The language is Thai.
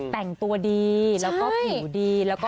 แต่งตัวดีแล้วก็ผิวดี